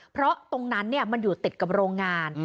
เพราะตรงนั้นมันอยู่ติดกับโรงงาน